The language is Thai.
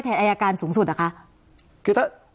แทนอายาการสูงสุดอ่ะคะ